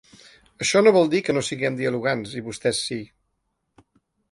Això no vol dir que no siguem dialogants i vostès sí.